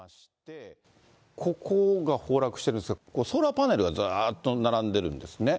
ここが崩落しているんですが、ソーラーパネルがずっと並んでるんですね。